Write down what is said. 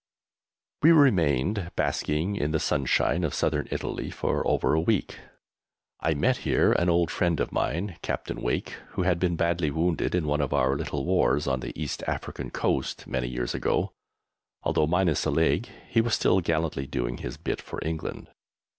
We remained basking in the sunshine of Southern Italy for over a week. I met here an old friend of mine, Captain Wake, who had been badly wounded in one of our little wars on the East African coast many years ago. Although minus a leg he was still gallantly doing his bit for England.